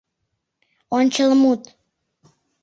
ОНЧЫЛМУТ